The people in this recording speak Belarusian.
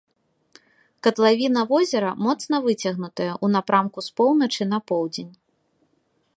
Катлавіна возера моцна выцягнутая ў напрамку з поўначы на поўдзень.